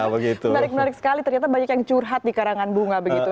menarik menarik sekali ternyata banyak yang curhat di karangan bunga begitu